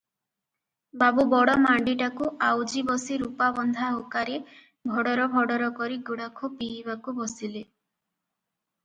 ବାବୁ ବଡ଼ ମାଣ୍ଡିଟାକୁ ଆଉଜି ବସି ରୂପାବନ୍ଧା ହୁକାରେ ଭଡ଼ର ଭଡ଼ର କରି ଗୁଡାଖୁ ପିଇବାକୁ ବସିଲେ ।